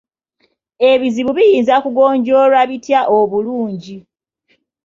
Ebizibu biyinza kugonjoolwa bitya obulungi?